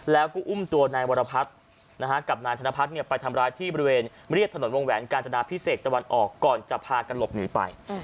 แล้วก็อุ้มตัวนายวรพัฒน์กับนายธนพัฒน์ไปทำร้ายที่บริเวณเรียบถนนวงแหวนกาญจนาพิเศษตะวันออกก่อนจะพากันหลบหนีไป